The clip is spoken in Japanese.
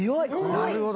なるほど。